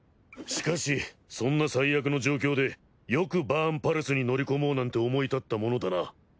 しかしそんな最悪の状況でよくバーンパレスに乗り込もうなんて思い立ったものだな。